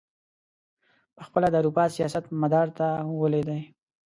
پخپله د اروپا سیاست مدار ته ولوېدی.